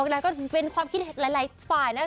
แล้วก็เป็นความคิดหลายฝ่ายนะ